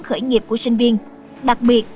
khởi nghiệp của sinh viên đặc biệt